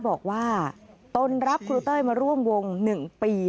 บอกว่าตนรับครูเต้ยมาร่วมวง๑ปี